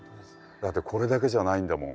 だってこれだけじゃないんだもん。